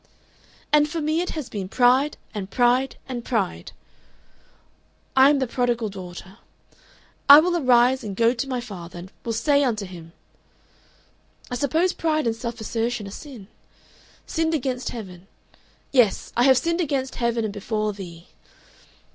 "And for me it has been Pride and Pride and Pride! "I am the prodigal daughter. I will arise and go to my father, and will say unto him "I suppose pride and self assertion are sin? Sinned against heaven Yes, I have sinned against heaven and before thee....